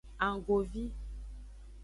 Annggovi.